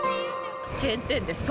チェーン店ですかね。